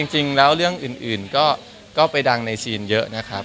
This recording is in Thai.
จริงแล้วเรื่องอื่นก็ไปดังในซีนเยอะนะครับ